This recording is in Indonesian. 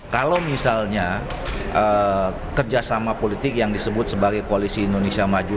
kalau misalnya kerjasama politik yang disebut sebagai koalisi indonesia maju